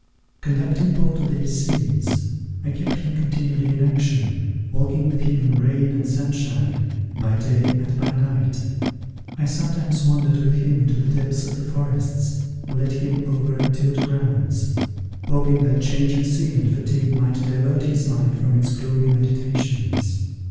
Conducting Paul to these scenes, I kept him continually in action, walking with him in rain and sunshine, by day and by night. I sometimes wandered with him into the depths of the forests, or led him over untilled grounds, hoping that change of scene and fatigue might divert his mind from its gloomy meditations.